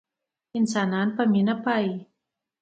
انسانان په مينه پايي